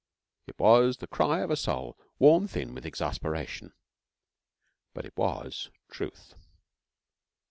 It was the cry of a soul worn thin with exasperation, but it was truth.